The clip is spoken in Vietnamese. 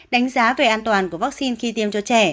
đánh giá về an toàn của vaccine khi tiêm cho trẻ